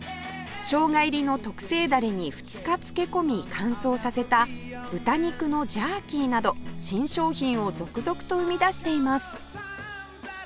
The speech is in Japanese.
しょうが入りの特製だれに２日漬け込み乾燥させた豚肉のジャーキーなど新商品を続々と生み出しています